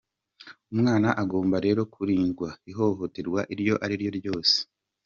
Umwana agomba rero kurindwa ihohoterwa iryo ari ryo ryose."